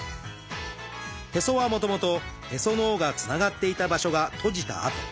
へそはもともとへその緒がつながっていた場所が閉じた跡。